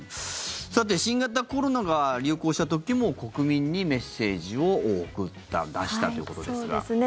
新型コロナが流行した時も国民にメッセージを送った出したということですが。